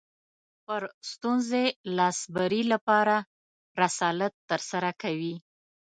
پر ستونزې لاسبري لپاره رسالت ترسره کوي